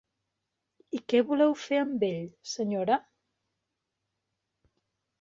I què voleu fer amb ell, senyora?